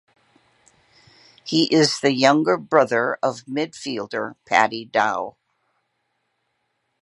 He is the younger brother of midfielder Paddy Dow.